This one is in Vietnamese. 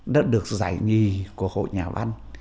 đã được giải nhì của hội nhà văn